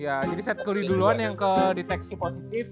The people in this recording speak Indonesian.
iya jadi seth curry duluan yang ke deteksi positif